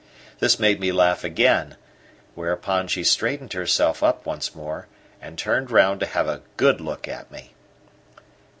This made me laugh again, whereupon she straightened herself up once more and turned round to have a good look at me.